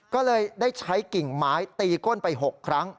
ก็เลยได้ใช้กิ่งไม้ตีก้นไป๖ครั้ง